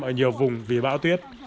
ở nhiều vùng vì bão tuyết